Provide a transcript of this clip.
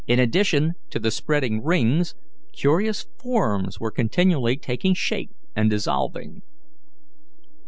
In addition to the spreading rings, curious forms were continually taking shape and dissolving.